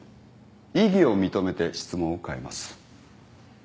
異議を認めて質問を変えます。